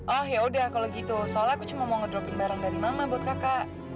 ah yaudah kalau gitu soalnya aku cuma mau ngedropin barang dari mama buat kakak